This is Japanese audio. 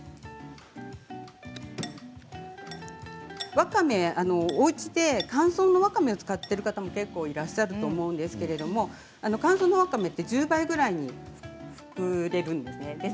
わかめ、おうちで乾燥のものを使っている方いると思うんですけれども乾燥わかめは１０倍くらいに膨れるんです。